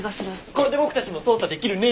これで僕たちも捜査できるね。